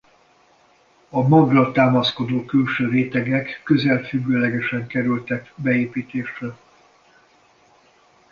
A magra támaszkodó külső rétegek közel függőlegesen kerültek beépítésre.